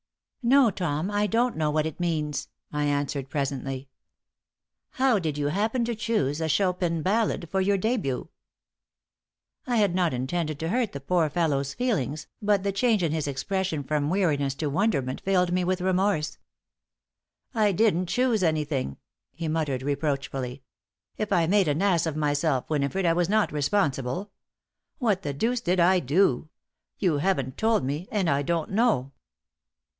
"No, Tom, I don't know what it means," I answered, presently. "How did you happen to choose the Chopin ballade for your début?" I had not intended to hurt the poor fellow's feelings, but the change in his expression from weariness to wonderment filled me with remorse. "I didn't choose anything," he muttered, reproachfully. "If I made an ass of myself, Winifred, I was not responsible. What the deuce did I do? You haven't told me and I don't know."